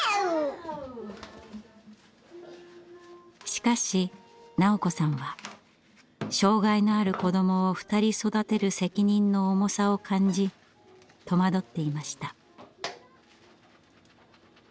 しかし斉子さんは障害のある子どもを２人育てる責任の重さを感じ戸惑っていました。